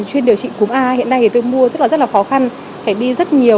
cũng rất là cao hiện nay tôi mua với giá là tám mươi một viên thuốc đấy